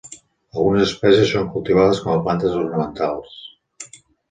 Algunes espècies són cultivades com a plantes ornamentals.